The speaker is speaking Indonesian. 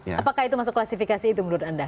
apakah itu masuk klasifikasi itu menurut anda